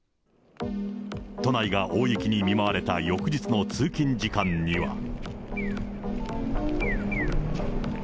都内が大雪に見舞われた翌日の通勤時間には。